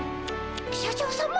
社長さま。